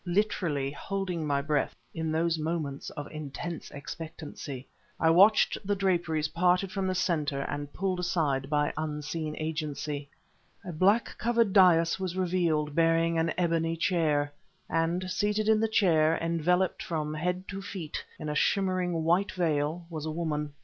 Literally holding my breath, in those moments of intense expectancy, I watched the draperies parted from the center and pulled aside by unseen agency. A black covered dais was revealed, bearing an ebony chair. And seated in the chair, enveloped from head to feet in a shimmering white veil, was a woman.